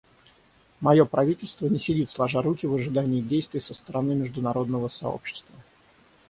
Мое правительство не сидит сложа руки в ожидании действий со стороны международного сообщества.